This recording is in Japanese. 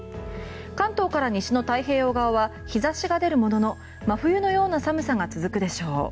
関東から西の太平洋側は日差しが出るものの真冬のような寒さが続くでしょう。